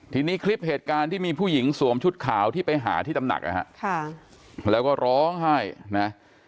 ทีนี้คลิปเหตุการณ์ที่มีผู้หญิงสวมชุดขาวที่ไปหาที่ตำหนักนะฮะแล้วก็ร้องไห้นะ